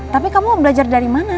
tapi kamu belajar dari mana